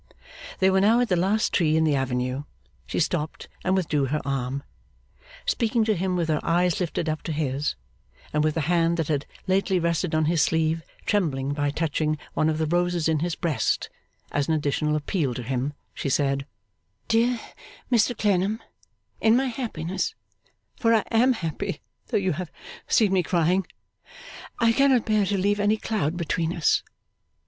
They were now at the last tree in the avenue. She stopped, and withdrew her arm. Speaking to him with her eyes lifted up to his, and with the hand that had lately rested on his sleeve trembling by touching one of the roses in his breast as an additional appeal to him, she said: 'Dear Mr Clennam, in my happiness for I am happy, though you have seen me crying I cannot bear to leave any cloud between us.